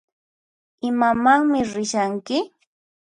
Imamanmi rishanki?